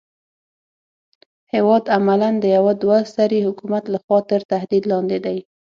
هېواد عملاً د يوه دوه سري حکومت لخوا تر تهدید لاندې دی.